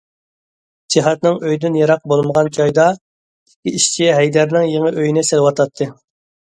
جىھادنىڭ ئۆيىدىن يىراق بولمىغان جايدا ئىككى ئىشچى ھەيدەرنىڭ يېڭى ئۆيىنى سېلىۋاتاتتى.